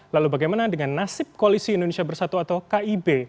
lalu bagaimana dengan nasib koalisi indonesia bersatu atau kib